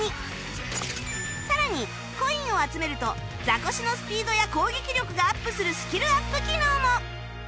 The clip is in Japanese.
さらにコインを集めるとザコシのスピードや攻撃力がアップするスキルアップ機能も